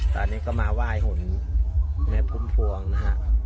ตอนนี้ก็มาไหว้หนแม่พุ่มพวงนะฮะ